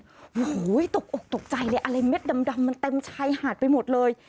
โอ้โหตกอกตกใจเลยอะไรเม็ดดำมันเต็มชายหาดไปหมดเลย